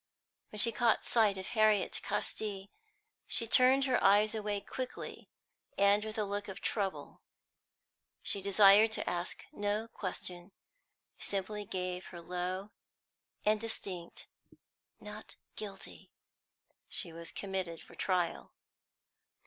When she caught sight of Harriet Casti, she turned her eyes away quickly, and with a look of trouble. She desired to ask no question, simply gave her low and distinct "Not guilty." She was committed for trial.